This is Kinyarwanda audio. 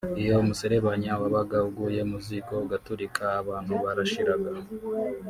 Iyo umuserebanya wabaga uguye mu ziko ugaturika abantu barashiraga